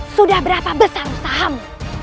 sudah berapa besar usahamu